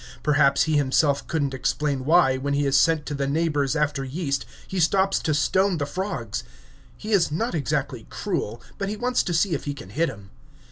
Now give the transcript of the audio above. Perhaps he himself couldn't explain why, when he is sent to the neighbor's after yeast, he stops to stone the frogs; he is not exactly cruel, but he wants to see if he can hit 'em.